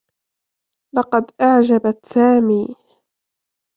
لقد أعجبت سامي.